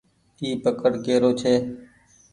اي پڪڙ ڪي رو ڇي۔